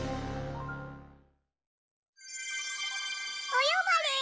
お呼ばれ！